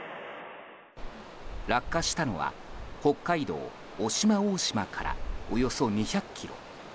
落下したのは北海道渡島大島からおよそ２００ｋｍ。